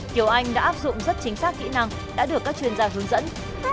kiều anh đã áp dụng rất chính xác kỹ năng đã được các chuyên gia hướng dẫn